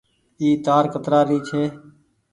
اي تآر ڪترآ ري ڇي۔